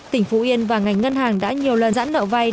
tỉnh phú yên và ngành ngân hàng đã nhiều lần giãn nợ vay